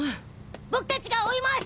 僕達が追います！